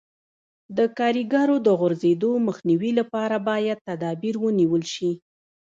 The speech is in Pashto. د کاریګرو د غورځېدو مخنیوي لپاره باید تدابیر ونیول شي.